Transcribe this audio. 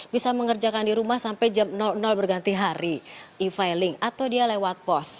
bisa mengerjakan di rumah sampai jam berganti hari e filing atau dia lewat pos